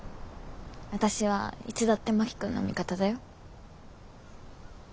私はいつだって真木君の味方だよ。